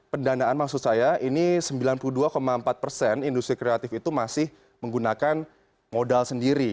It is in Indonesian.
pendanaan maksud saya ini sembilan puluh dua empat persen industri kreatif itu masih menggunakan modal sendiri